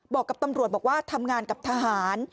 บอกกับตำรวจบอกว่าทำงานกับทหาร